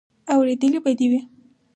اورېدلې به دې وي.